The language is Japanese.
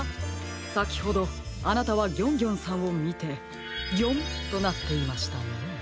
さきほどあなたはギョンギョンさんをみて「ギョン！」となっていましたね。